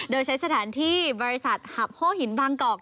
โดยใช้สถานที่บริษัทหับโฮหินบางกอก